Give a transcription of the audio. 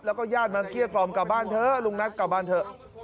แล้วก็ญาติมาเกลี้ยกล่อมกลับบ้านเถอะลุงนัทกลับบ้านเถอะ